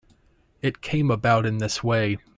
It came about in this way.